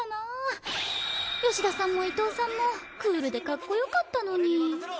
吉田さんも伊藤さんもクールでかっこよかったのに。